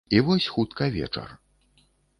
І вось хутка вечар.